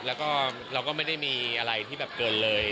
แล้วก็เราก็ไม่ได้มีอะไรที่แบบเกินเลย